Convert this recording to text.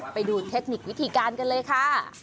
ไปดูเทคนิควิธีการกันเลยค่ะ